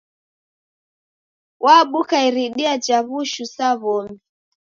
Wabuka iridia ja w'ushu sa w'omi.